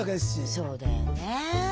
そうだよね。